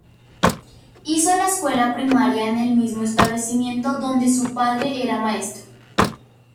Hizo la escuela primaria en el mismo establecimiento donde su padre era maestro.